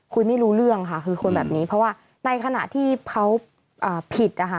คุยไม่รู้เรื่องค่ะคือคนแบบนี้เพราะว่าในขณะที่เขาผิดนะคะ